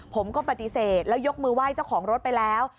ผมก็ปฏิเสธแล้วยกมือไหว้เจ้าของรถไปแล้ว